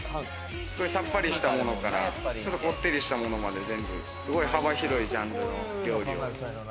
さっぱりしたものから、ちょっとこってりしたものまで全部、幅広いジャンルの料理を。